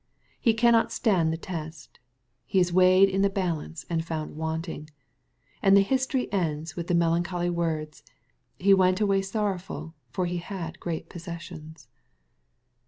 He cannot stand the test. He is weighed in the balance and found wanting. And the history ends with the melancholy words, " He went away sorrowful, for he had great possessions."